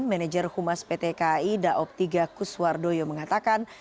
manager humas pt kai daob tiga kuswardoyo mengatakan